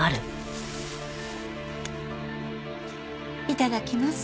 いただきます。